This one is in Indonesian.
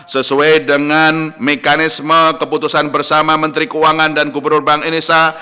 sesuai dengan mekanisme keputusan bersama menteri keuangan dan gubernur bank indonesia